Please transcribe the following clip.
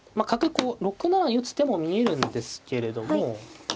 こう６七に打つ手も見えるんですけれども。